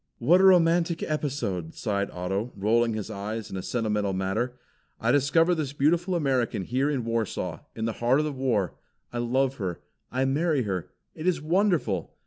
"What a romantic episode!" sighed Otto, rolling his eyes in a sentimental manner. "I discover this beautiful American here in Warsaw, in the heart of the war; I love her; I marry her. It is wonderful!"